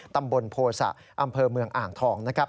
ตำบลโภษะอำเภอเมืองอ่างทอง